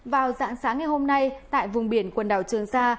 vào dạng sáng ngày hôm nay tại vùng biển quần đảo trường sa